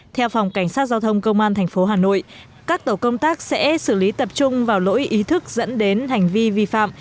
theo phòng cảnh sát giao thông công an tp hà nội các tổ công tác sẽ xử lý tập trung vào lỗi ý thức dẫn đến hành vi vi phạm